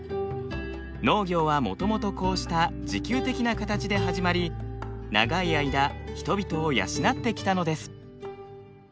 農業はもともとこうした自給的な形で始まり長い間人々を養ってきたのです。